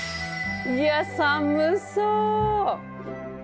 いや寒そ。